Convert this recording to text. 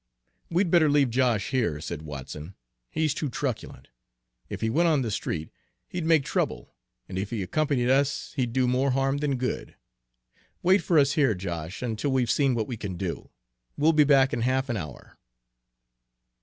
"We'd better leave Josh here," said Watson. "He's too truculent. If he went on the street he'd make trouble, and if he accompanied us he'd do more harm than good. Wait for us here, Josh, until we 'we seen what we can do. We'll be back in half an hour."